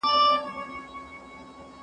که پوهه نه وای تعبیرونه به غلط وو.